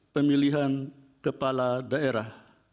pemilihan kepala daerah